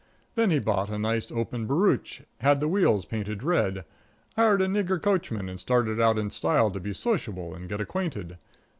Then he bought a nice, open barouche, had the wheels painted red, hired a nigger coachman and started out in style to be sociable and get acquainted.